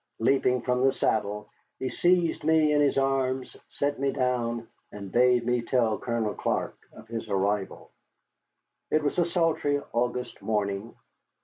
Leaping from the saddle, he seized me in his arms, set me down, and bade me tell Colonel Clark of his arrival. It was a sultry August morning.